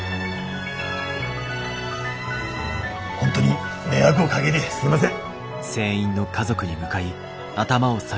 本当に迷惑をかげてすいません。